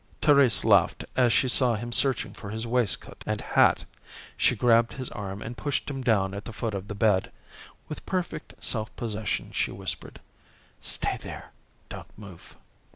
Thérèse laughed as she saw him searching for his waistcoat and hat. She grabbed his arm and pushed him down at the foot of the bed. With perfect self possession she whispered: "Stay there. Don't move."